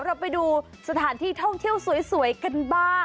เราไปดูสถานที่ท่องเที่ยวสวยกันบ้าง